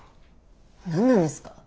何なんですか。